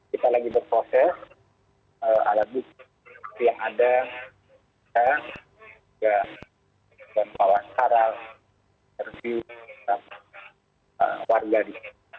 kita lagi berproses alami yang ada dan kita akan bawa cara review warga di sini